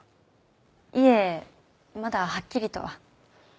いえまだはっきりとは。